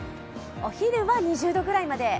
お昼は２０度くらいまで。